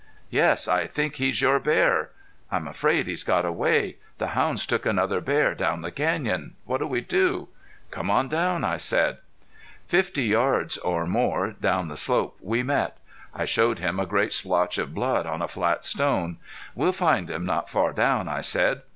"Yes. I think he's your bear." "I'm afraid he's got away. The hounds took another bear down the canyon. What'll we do?" "Come on down," I said. Fifty yards or more down the slope we met. I showed him a great splotch of blood on a flat stone. "We'll find him not far down," I said.